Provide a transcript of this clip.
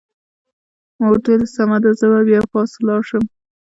ما ورته وویل: سمه ده، زه به بیا پاس ولاړ شم.